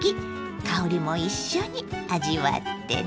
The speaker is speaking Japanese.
香りも一緒に味わってね。